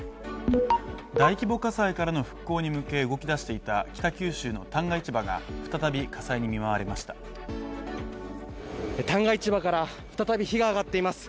大規模火災からの復興に向け動き出していた北九州の旦過市場が再び火災に見舞われました旦過市場から再び火が上がっています。